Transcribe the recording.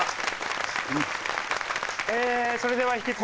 それでは引き続き。